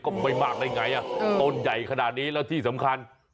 ก็ไม่มากได้ไงอ่ะต้นใหญ่ขนาดนี้แล้วที่สำคัญ